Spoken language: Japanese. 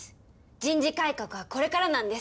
人事改革はこれからなんです